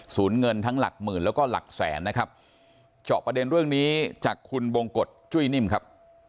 เงินทั้งหลักหมื่นแล้วก็หลักแสนนะครับเจาะประเด็นเรื่องนี้จากคุณบงกฎจุ้ยนิ่มครับ